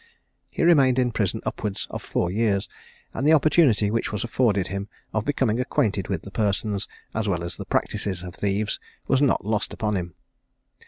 He remained in prison upwards of four years, and the opportunity which was afforded him, of becoming acquainted with the persons, as well as the practices of thieves was not lost upon him.